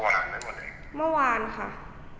คุณพ่อได้จดหมายมาที่บ้าน